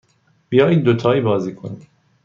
بیایید دوتایی بازی کنیم.